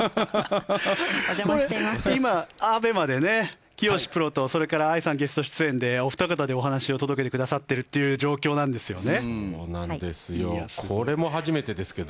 今、ＡＢＥＭＡで聖志プロと藍さんとゲスト出演で、お二方でお話を届けてくださっているという状況なんですよね。